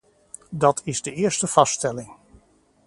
Dat is de eerste vaststelling.